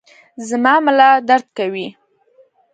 زما ملا درد کوي